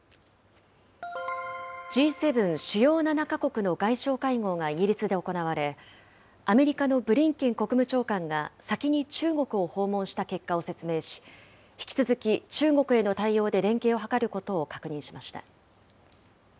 Ｇ７・主要７か国の外相会合がイギリスで行われ、アメリカのブリンケン国務長官が先に中国を訪問した結果を説明し、引き続き中国への対応で連携を図ることを確認しました。